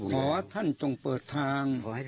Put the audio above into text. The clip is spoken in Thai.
ขอท่านจงเปิดทาง